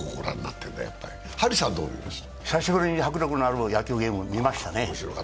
久しぶりに迫力のある野球ゲーム見ましたね。